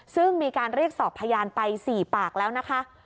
ซึ่งมีการเรียกสอบพยานไป๔ปากแล้วนะคะ